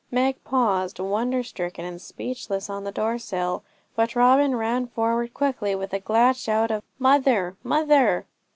Meg paused, wonder stricken and speechless, on the door sill; but Robin ran forward quickly, with a glad shout of 'Mother! mother!'